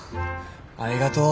ありがとう。